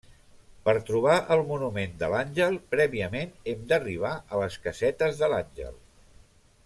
Per trobar el Monument de l'Àngel, prèviament hem d'arribar a les Casetes de l'Àngel.